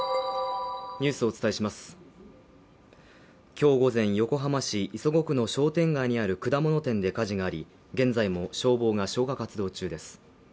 今日午前、横浜市磯子区の商店街にある果物店で火事があり、現在も消防が消火活動中です。